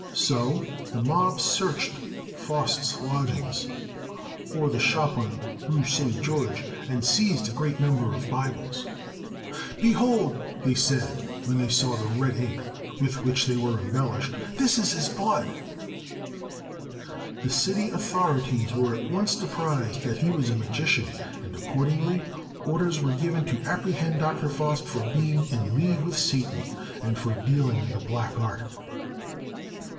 So the mob searched Faust's lodgings, or the shop on Rue St. George, and seized a great number of Bibles. "Behold," said they when they saw the red ink with which they were embellished, "this is his blood!" The city authorities were at once apprised that he was a magician! And accordingly orders were given to apprehend Dr. Faust for being in league with Satan, and for dealing in the black art.